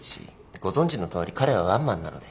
ご存じのとおり彼はワンマンなので。